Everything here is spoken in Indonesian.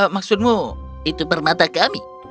maksudmu itu permata kami